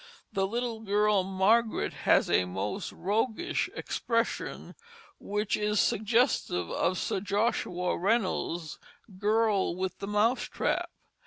The little girl, Margaret, has a most roguish expression, which is suggestive of Sir Joshua Reynolds' Girl with the Mouse Trap.